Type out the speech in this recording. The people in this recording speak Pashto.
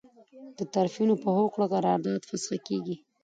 د طرفینو په هوکړه قرارداد فسخه کیږي.